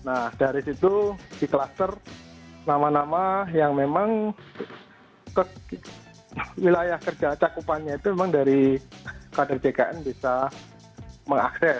nah dari situ di kluster nama nama yang memang wilayah kerja cakupannya itu memang dari kader jkn bisa mengakses